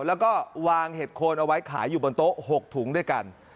แล้วก็วางเห็ดโคนเอาไว้ขายอยู่บนโต๊ะ๖ถุงด้วยกัน